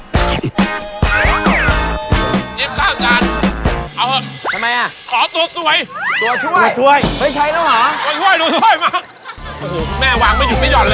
โปรดติดตามตอนต่อไป